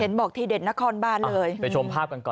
บอกทีเด็ดนครบานเลยไปชมภาพกันก่อน